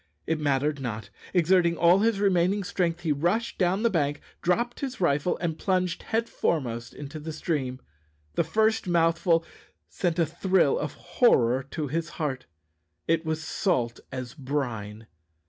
It mattered not. Exerting all his remaining strength he rushed down the bank, dropped his rifle, and plunged headforemost into the stream. The first mouthful sent a thrill of horror to his heart; it was salt as brine!